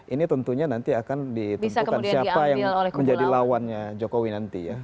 ini tentunya nanti akan ditentukan siapa yang menjadi lawannya jokowi nanti ya